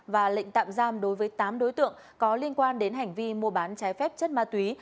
và lệnh tạm giam đối với tám đối tượng có liên quan đến hành vi mua bán trái phép chất ma túy